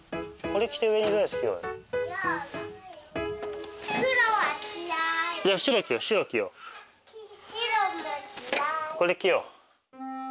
これ着よう！